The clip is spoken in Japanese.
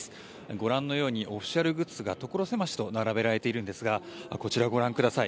ご覧のようにオフィシャルグッズがところ狭しと並べられているんですがこちら、ご覧ください。